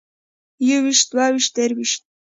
يوويشت دوويشت درويشت